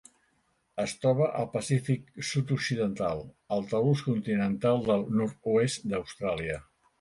Es troba al Pacífic sud-occidental: el talús continental del nord-oest d'Austràlia.